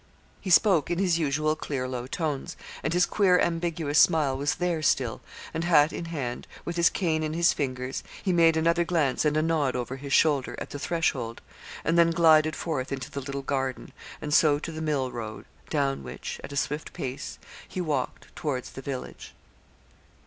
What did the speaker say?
He spoke in his usual clear low tones, and his queer ambiguous smile was there still; and, hat in hand, with his cane in his fingers, he made another glance and a nod over his shoulder, at the threshold, and then glided forth into the little garden, and so to the mill road, down which, at a swift pace, he walked towards the village.